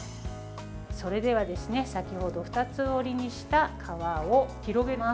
それでは、先程二つ折りにした皮を広げます。